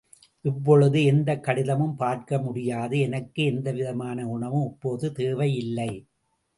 இப்பொழுது, எந்தக் கடிதமும் பார்க்க முடியாது, எனக்கு எந்த விதமான உணவும் இப்போது தேவையில்லை.